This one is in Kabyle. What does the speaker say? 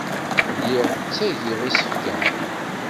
Lliɣ ttagiɣ isefka.